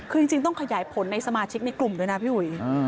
คือจริงต้องขยายผลในสมาชิกในกลุ่มด้วยนะพี่อุ๋ย